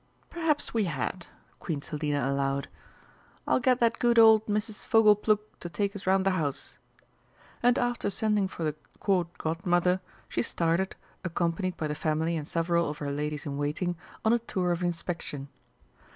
"Perhaps we had," Queen Selina allowed. "I'll get that good old Mrs. Fogleplug to take us round the house." And after sending for the Court Godmother, she started, accompanied by the family and several of her ladies in waiting, on a tour of inspection.